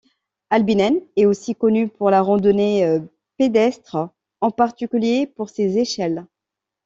Albinen est aussi connue pour la randonnée pédestre, en particulier pour ses échelles.